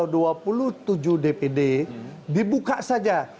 dua puluh tujuh dpd dibuka saja